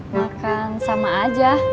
makan sama aja